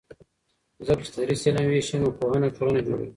ځکه چې تدریس علم وېشي نو پوهنه ټولنه جوړوي.